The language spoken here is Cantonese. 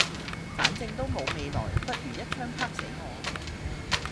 反正都冇未來不如一鎗啪死我